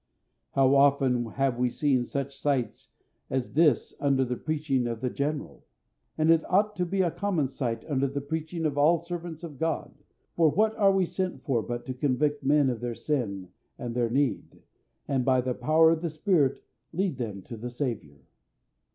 How often have we seen such sights as this under the preaching of The General! And it ought to be a common sight under the preaching of all servants of God, for what are we sent for but to convict men of their sin and their need, and by the power of the Spirit to lead them to the Saviour?